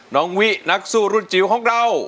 น้องวินักสู้รุ่นจิ๋วของเรา